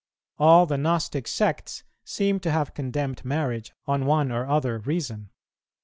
All the Gnostic sects seem to have condemned marriage on one or other reason.